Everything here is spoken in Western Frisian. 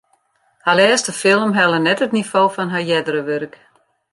Har lêste film helle net it nivo fan har eardere wurk.